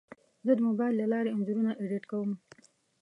زه د موبایل له لارې انځورونه ایډیټ کوم.